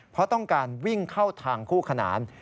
เพราะต้องการวิ่งเข้าทางคู่ขนาน